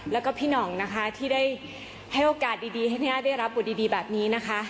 แล้วก็พี่หน่องนะคะที่ได้ให้โอกาสดีให้น้าได้รับบทดีแบบนี้นะคะ